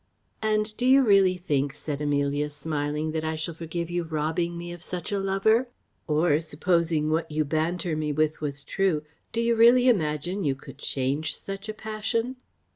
"And do you really think," said Amelia, smiling, "that I shall forgive you robbing me of such a lover? or, supposing what you banter me with was true, do you really imagine you could change such a passion?"